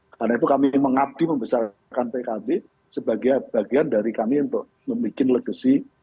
karena itu kami mengabdi membesarkan pkb sebagai bagian dari kami untuk membuat legesi